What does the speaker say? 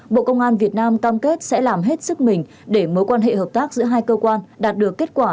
bộ công an việt nam cam kết sẽ làm hết sức mình để mối quan hệ hợp tác giữa hai cơ quan đạt được kết quả